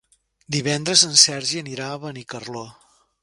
Divendres en Sergi anirà a Benicarló.